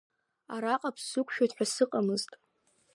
Араҟа бсықәшәоит ҳәа сыҟамзт.